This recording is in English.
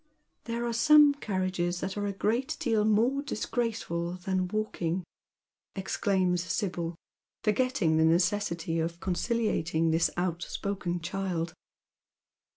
" There are some carriages that are a great deal more di»«<ace io2 l:)ead Mens SfiocS. ful than walking," exclaims Sibyl, forgetting the necessity of conciliating this outspoken child.